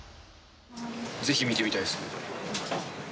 ぜひ見てみたいですね。